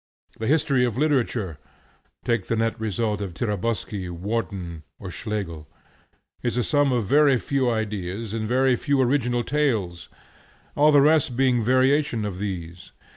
The history of literature take the net result of Tiraboschi, Warton, or Schlegel, is a sum of very few ideas and of very few original tales; all the rest being variation of these.